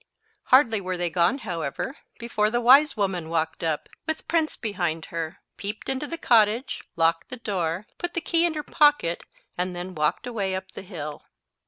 Hardly were they gone, however, before the wise woman walked up, with Prince behind her, peeped into the cottage, locked the door, put the key in her pocket, and then walked away up the hill.